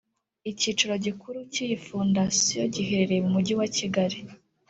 Ikicaro gikuru cy’iyi Fondation giherereye mu mugi wa Kigali